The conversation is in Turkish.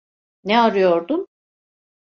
Ne arıyordun?